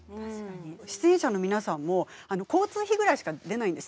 出演者の皆さんも交通費ぐらいしか出ないんです。